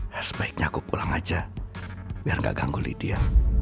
sebaiknya aku pulang aja biar gak ganggu lidia